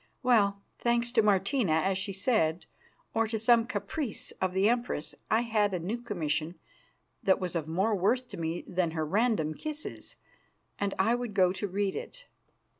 Well, thanks to Martina, as she said, or to some caprice of the Empress, I had a new commission that was of more worth to me than her random kisses, and I would go to read it.